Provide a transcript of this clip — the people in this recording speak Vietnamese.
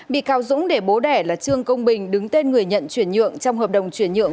bị cáo dũng để bố đẻ là trương công bình đứng tên người nhận chuyển nhượng trong hợp đồng chuyển nhượng